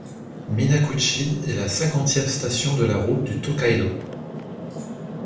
Minakuchi est la cinquantième station de la route du Tōkaidō.